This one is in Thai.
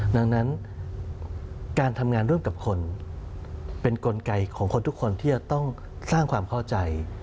ดังนั้นการทำงานร่วมกับคนเป็นกลไกของคนทุกคนที่จะต้องสร้างความเข้าใจ